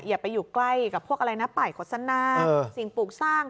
อย่าไปอยู่ใกล้กับพวกอะไรนะป่ายโฆษณาสิ่งปลูกสร้าง